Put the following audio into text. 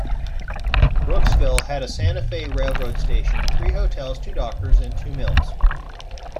Brooksville had a Santa Fe Railroad station, three hotels, two doctors, and two mills.